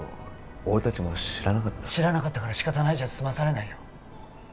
俺達も知らなかった知らなかったから仕方ないじゃ済まされないよ